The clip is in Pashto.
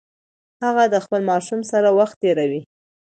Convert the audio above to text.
هغه د خپل ماشوم سره وخت تیروي.